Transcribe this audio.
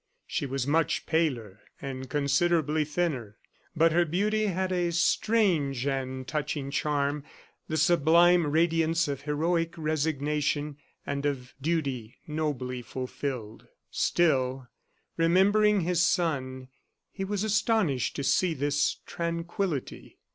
She was much paler and considerably thinner; but her beauty had a strange and touching charm the sublime radiance of heroic resignation and of duty nobly fulfilled. Still, remembering his son, he was astonished to see this tranquillity.